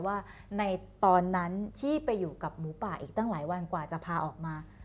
ว่าในตอนนั้นที่ไปอยู่กับหมูป่าอีกตั้งหลายวันกว่าจะพาออกมา